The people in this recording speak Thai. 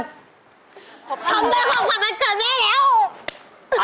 ทำได้ของขวัญวันเกิดไม่แล้ว